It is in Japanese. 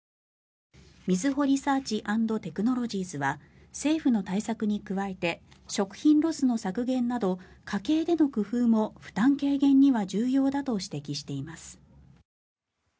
みずほリサーチ＆テクノロジーズは政府の対策に加えて食品ロスの削減など家計での工夫も負担軽減には重要だと指摘しています。